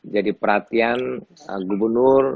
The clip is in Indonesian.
jadi perhatian gubernur